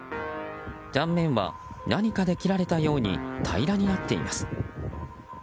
断面は何かで切られたように平らになっています。